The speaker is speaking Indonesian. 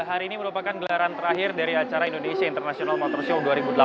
hari ini merupakan gelaran terakhir dari acara indonesia international motor show dua ribu delapan belas